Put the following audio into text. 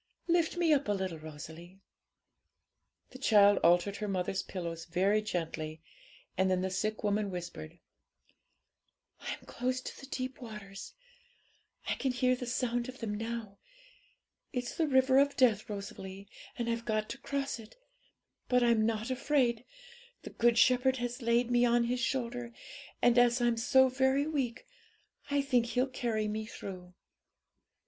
Lift me up a little, Rosalie.' The child altered her mother's pillows very gently, and then the sick woman whispered 'I'm close to the deep waters; I can hear the sound of them now. It's the river of death, Rosalie, and I've got to cross it, but I'm not afraid: the Good Shepherd has laid me on His shoulder, and, as I'm so very weak, I think He'll carry me through.'